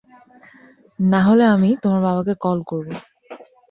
নাহলে আমি তোমার বাবাকে কল করবো।